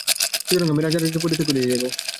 সুতরাং আমি রাজার রাজ্য পরিত্যাগ করিয়া যাইব।